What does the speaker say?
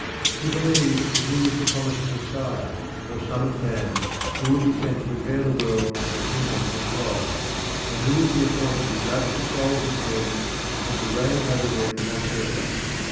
He believed that he was the promised Messiah or Son of Man, who would be sent to prepare the world for the kingdom of God, and who would be appointed to judge the souls of men and to reign over them on earth.